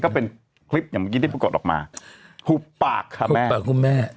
ก็เป็นคลิปอย่างเมื่อกี้ได้ปรากฎออกมาหุบปากคุณแม่